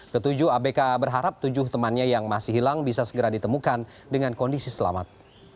ketujuh abk berharap tujuh temannya yang masih hilang bisa segera ditemukan dengan kondisi selamat